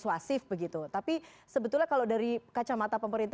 aspek kesehatan dari covid sembilan belas